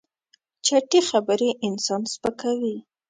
چټي خبرې انسان سپکوي.